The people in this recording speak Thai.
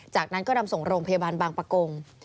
จากนั้นก็นำส่งโรงพยาบาลบางประกง